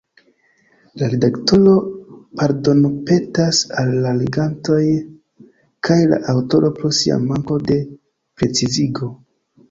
La redaktoro pardonpetas al la legantoj kaj la aŭtoro pro sia manko de precizigo.